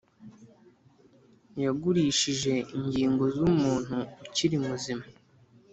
Yagurishije ingingo z umuntu ukiri muzima